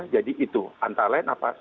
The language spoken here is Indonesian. jadi itu antara lain apa